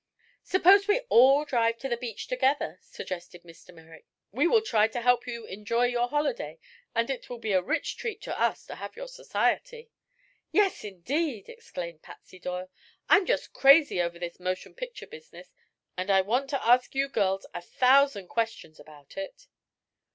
"Suppose we all drive to the beach together," suggested Mr. Merrick. "We will try to help you enjoy your holiday and it will be a rich treat to us to have your society." "Yes, indeed!" exclaimed Patsy Doyle. "I'm just crazy over this motion picture business and I want to ask you girls a thousand questions about it."